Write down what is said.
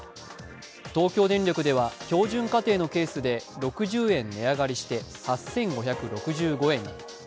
東京電力では標準家庭のケースで６０円値上がりして８５６５円に。